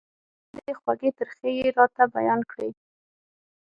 د خپلې دندې خوږې ترخې يې راته بيان کړې.